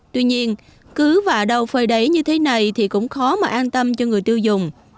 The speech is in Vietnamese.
tuy nhiên cứ vạ đầu phơi đáy như thế này thì cũng khó mà an tâm cho người tiêu dùng